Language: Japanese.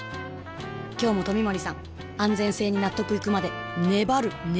今日も冨森さん安全性に納得いくまで粘る粘る